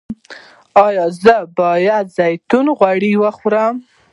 ایا زه باید د زیتون غوړي وخورم؟